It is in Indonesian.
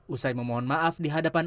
usai memohon maaf di hadapan